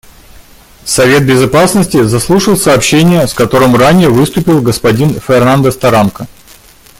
Совет Безопасности заслушал сообщение, с которым выступил господин Фернандес-Таранко.